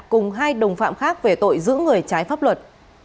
cùng hai đồng phạm khác về tội giữ người trái pháp luật